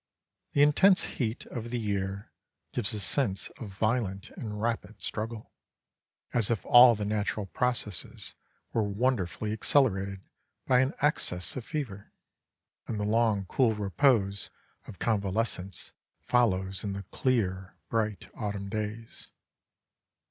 The intense heat of the year gives a sense of violent and rapid struggle, as if all the natural processes were wonderfully accelerated by an access of fever, and the long cool repose of convalescence follows in the clear, bright autumn days.